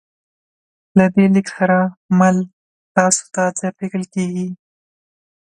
له دې لیک سره مل تاسو ته درلیږل کیږي